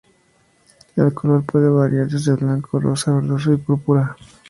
El color puede variar desde blanco, rosa, verdoso y púrpura.